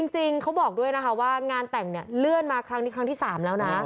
จริงเขาบอกด้วยนะคะว่างานแต่งเนี่ยเลื่อนมาครั้งนี้ครั้งที่๓แล้วนะ